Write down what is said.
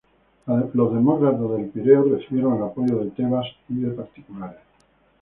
Los demócratas de El Pireo recibieron el apoyo de Tebas y de particulares.